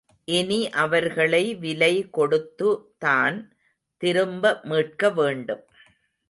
இனி அவர்களை விலைகொடுத்துதான் திரும்ப மீட்கவேண்டும்.